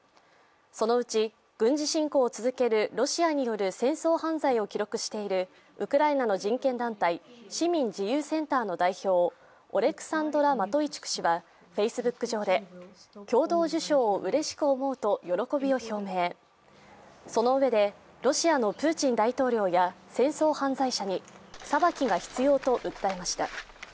そのうち軍事侵攻を続けるロシアによる戦争犯罪を記録しているウクライナの人権団体・市民自由センターの代表、オレクサンドラ・マトイチュク氏はＦａｃｅｂｏｏｋ上で共同受賞をうれしく思うと喜びを表明、そのうえでロシアのプーチン大統領や戦争犯罪者に裁きが必要と訴えました。